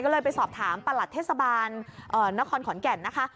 ก็เลยไปสอบถามประหลัดเทศบาลนครขอนแก่นนะคะ